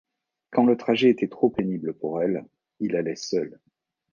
Quand le trajet était trop pénible pour elles, il allait seul.